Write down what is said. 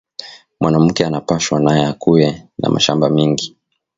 Mwanamuke ana pashwa naye akuye na mashamba mingi